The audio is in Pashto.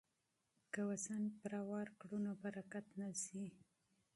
که وزن پوره ورکړو نو برکت نه ځي.